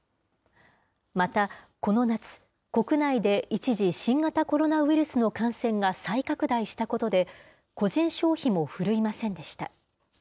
また、この夏、国内で一時、新型コロナウイルスの感染が再拡大したことで、個人消費も振るいませんでした。